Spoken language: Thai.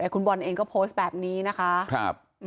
คุณบอลเองก็โพสต์แบบนี้นะคะ